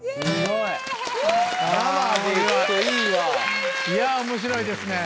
いや面白いですね